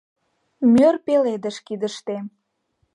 Мӧр пеледыш кидыштем